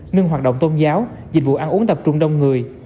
ngưng hoạt động tôn giáo dịch vụ ăn uống tập trung đông người